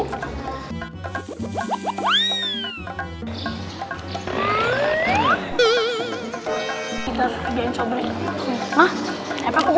kita harus pilih yang sobri